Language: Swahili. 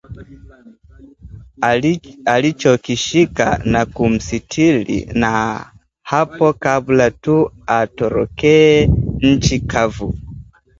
alichokishika na kumsitiri na hapo kabla tu atorokee nchi kavu